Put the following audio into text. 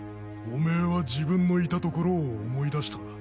おめえは自分のいた所を思い出した。